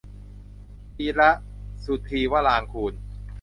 ธีระ สุธีวรางกูร